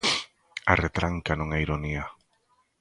A retranca non é ironía.